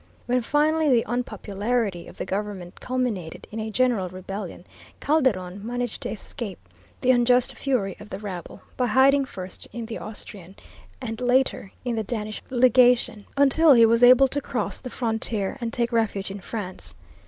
When finally the unpopularity of the government culminated in a general rebellion, Calderon managed to escape the unjust fury of the rabble by hiding first in the Austrian, and later in the Danish Legation, until he was able to cross the frontier and take refuge in France.